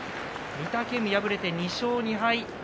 御嶽海、敗れて２勝２敗。